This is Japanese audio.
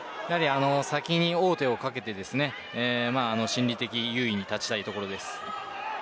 先に王手をかけて心理的優位に立ちたいところです。